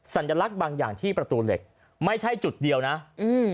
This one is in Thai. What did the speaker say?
สัญลักษณ์บางอย่างที่ประตูเหล็กไม่ใช่จุดเดียวนะอืม